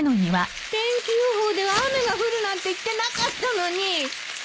天気予報では雨が降るなんて言ってなかったのに！